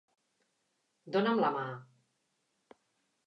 Dona'm la mà.